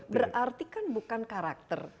berarti kan bukan karakter